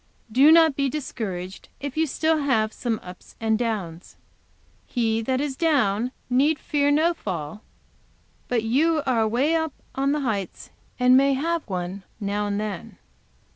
Do not be discouraged if you still have some ups and downs. 'He that is down need fear no fall'; but you are away up on the heights, and may have one, now and then."